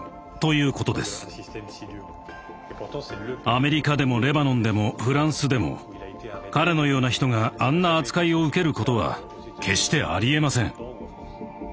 アメリカでもレバノンでもフランスでも彼のような人があんな扱いを受けることは決してありえません。